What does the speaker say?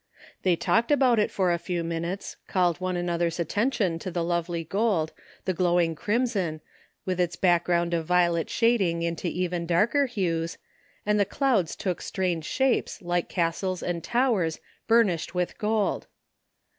They talked about it for a few minutes, called one another's attention to the lovely gold, the glowing crimson, with its background of violet shading into even darker hues, and the clouds took strange shapes like castles and towers burnished with gold.